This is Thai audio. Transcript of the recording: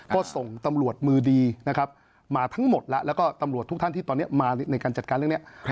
ก็ส่งตำรวจมือดีนะครับมาทั้งหมดแล้วแล้วก็ตำรวจทุกท่านที่ตอนนี้มาในการจัดการเรื่องนี้